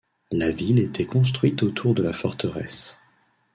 La ville était construite autour de la forteresse.